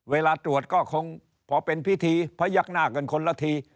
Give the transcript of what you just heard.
เวลาตรวจก็คงพอเป็นพิธีพยักหน้ากันคนละที